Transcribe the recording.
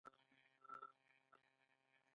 ایا زه باید زیارت ته لاړ شم؟